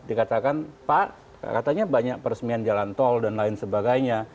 dikatakan pak katanya banyak peresmian jalan tol dan lain sebagainya